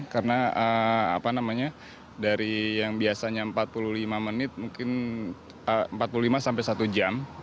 karena dari yang biasanya empat puluh lima menit mungkin empat puluh lima sampai satu jam